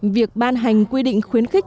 việc ban hành quy định khuyến khích